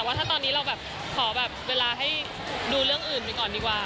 ว่าถ้าตอนนี้เราแบบขอแบบเวลาให้ดูเรื่องอื่นไปก่อนดีกว่า